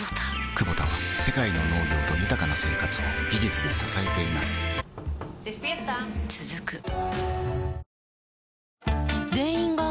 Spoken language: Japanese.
クボタは世界の農業と豊かな生活を技術で支えています起きて。